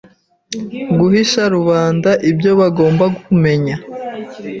guhisha rubanda ibyo bagomba kumenya.